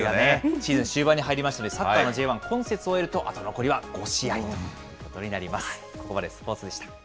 シーズン終盤に入りましたんで、サッカーのＪ１、今節を終えると、あと残りは５試合ということになります。